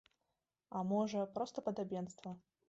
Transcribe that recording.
А можа, проста падабенства.